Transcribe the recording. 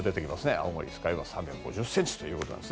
青森・酸ヶ湯は３５０ｃｍということです。